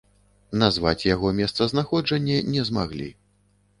Назваць яго месцазнаходжанне не змаглі.